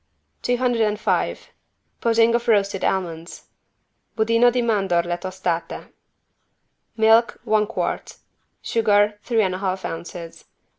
205 PUDDING OF ROASTED ALMONDS (Budino di mandorle tostate) Milk, one quart. Sugar, three and a half ounces.